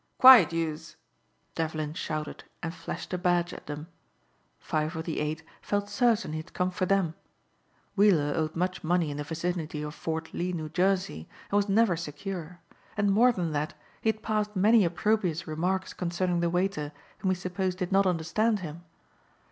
"Quiet youze," Devlin shouted and flashed a badge at them. Five of the eight felt certain he had come for them. Weiller owed much money in the vicinity of Fort Lee, New Jersey and was never secure. And more than that he had passed many opprobrious remarks concerning the waiter whom he supposed did not understand him.